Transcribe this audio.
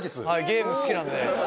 はいゲーム好きなので。